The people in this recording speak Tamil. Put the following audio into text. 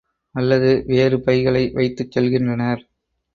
அல்லது வேறு பைகளை வைத்துச் செல்கின்றனர்.